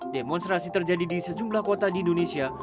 demonstrasi terjadi di sejumlah kota di indonesia